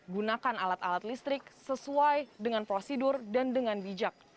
gunakan alat alat listrik sesuai dengan prosedur dan dengan bijak